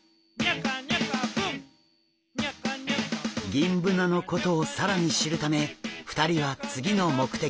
ギンブナのことを更に知るため２人は次の目的地へ！